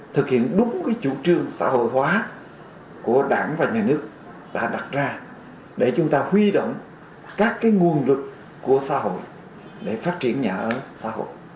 thực hiện đúng chủ trương xã hội hóa của đảng và nhà nước đã đặt ra để chúng ta huy động các nguồn lực của xã hội để phát triển nhà ở xã hội